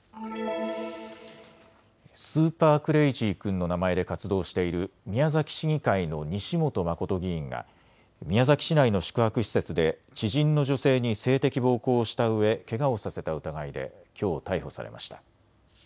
スーパークレイジー君の名前で活動している宮崎市議会の西本誠議員が宮崎市内の宿泊施設で知人の女性に性的暴行をしたうえ、けがをさせた疑いできょう逮捕されました。